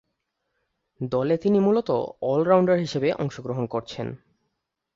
দলে তিনি মূলতঃ অল-রাউন্ডার হিসেবে অংশগ্রহণ করছেন।